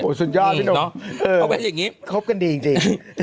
โหสุดยอดพี่หนุ่มครบกันดีจริง